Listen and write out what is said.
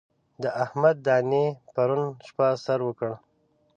د احمد دانې پرون شپه سر وکړ.